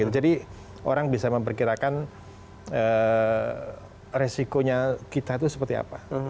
jadi orang bisa memperkirakan resikonya kita itu seperti apa